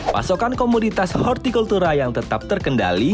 pasokan komoditas hortikultura yang tetap terkendali